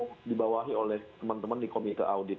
yang dibawahi oleh teman teman di komite audit